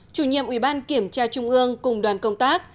chủ nhiệm ủy ban kiểm tra trung ương cùng đoàn công tác